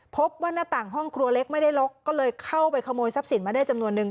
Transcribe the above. พบว่าหน้าต่างห้องครัวเล็กไม่ได้ล็อกก็เลยเข้าไปขโมยทรัพย์สินมาได้จำนวนนึง